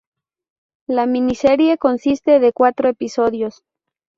La miniserie consiste de cuatro episodios.